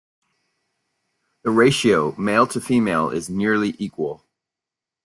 The ratio male to female is nearly equal.